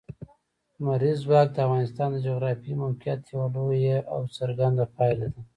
لمریز ځواک د افغانستان د جغرافیایي موقیعت یوه لویه او څرګنده پایله ده.